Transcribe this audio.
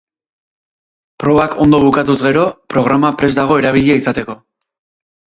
Probak ondo bukatuz gero, programa prest dago erabilia izateko.